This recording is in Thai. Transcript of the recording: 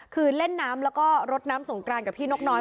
คือเล่นน้ำแล้วก็รดน้ำสงกรานกับพี่นกน้อย